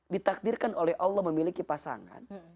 ditakdirkan oleh allah memiliki pasangan